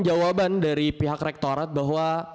jawaban dari pihak rektorat bahwa